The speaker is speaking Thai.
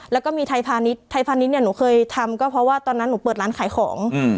แล้วก็มีไทยพาณิชย์ไทยพาณิชย์เนี่ยหนูเคยทำก็เพราะว่าตอนนั้นหนูเปิดร้านขายของ